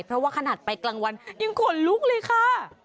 เพราะว่าขนาดไปกลางวันยังขนลุกเลยค่ะ